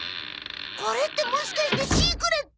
これってもしかしてシークレット？